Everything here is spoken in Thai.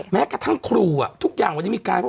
แม้กระทั่งครูอ่ะทุกอย่างวันนี้มีการบอก